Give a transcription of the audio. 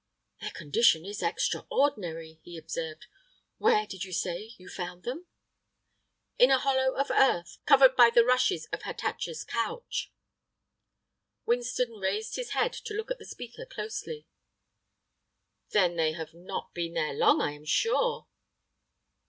"Their condition is extraordinary!" he observed. "Where, did you say, you found them?" "In a hollow of earth, covered by the rushes of Hatatcha's couch." Winston raised his head to look at the speaker closely. "Then they have not been there long, I am sure."